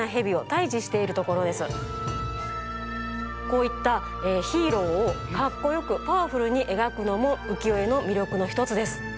こういったヒーローをかっこよくパワフルにえがくのもうきよえのみりょくのひとつです。